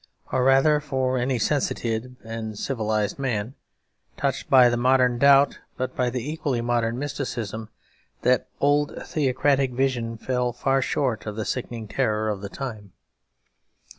Or rather, for any sensitive and civilised man, touched by the modern doubt but by the equally modern mysticism, that old theocratic vision fell far short of the sickening terror of the time.